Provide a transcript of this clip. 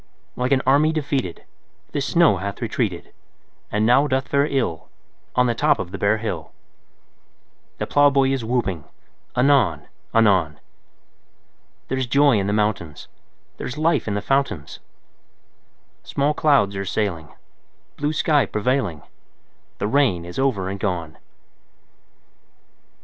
Like an army defeated The snow hath retreated, And now doth fare ill On the top of the bare hill; The plowboy is whooping anon anon: There's joy in the mountains; There's life in the fountains; Small clouds are sailing, Blue sky prevailing; The rain is over and gone!